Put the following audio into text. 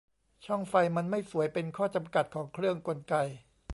ช่องไฟมันไม่สวย เป็นข้อจำกัดของเครื่องกลไก